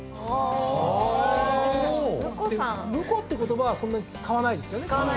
婿って言葉はそんなに使わないですよね。